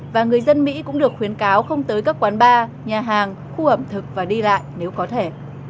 và người dân mỹ cũng được khuyến cáo không tới các quán bar nhà hàng khu ẩm thực và đi lại nếu có thể